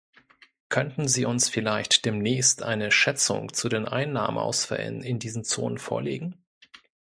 Könnten Sie uns vielleicht demnächst eine Schätzung zu den Einnahmeausfällen in diesen Zonen vorlegen?